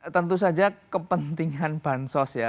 tentu saja kepentingan bahan sos ya